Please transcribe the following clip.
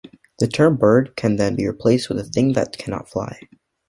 The term 'bird' can then be replaced with a thing that cannot fly.